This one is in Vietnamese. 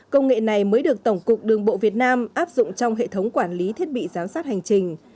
công nghệ này mới được tổng cục đường bộ việt nam áp dụng trong hệ thống quản lý thiết bị giám sát hành trình